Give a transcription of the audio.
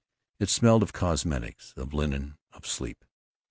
It smelled of cosmetics, of linen, of sleep.